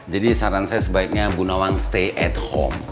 jadi saran saya sebaiknya bu nawang stay at home